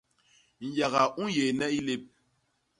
Nyaga u nyééne i lép.